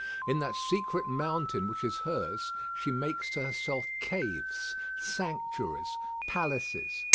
In that secret mountain which is hers, she makes to herself caves, sanctuaries, palaces.